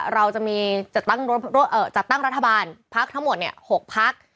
เราจะมีจัดตั้งรัฐบาลพักทั้งหมด๖พัก